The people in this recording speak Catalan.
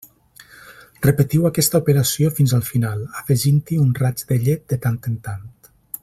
Repetiu aquesta operació fins al final, afegint-hi un raig de llet de tant en tant.